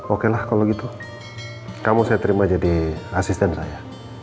okelah kalau gitu kamu saya terima jadi asisten saya